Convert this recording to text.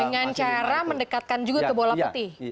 dengan cara mendekatkan juga ke bola putih